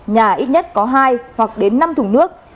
nhà ít nhất có hai hoặc đến năm thùng nước